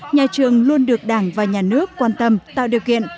nhà trường luôn được đảng và nhà nước quan tâm tạo điều kiện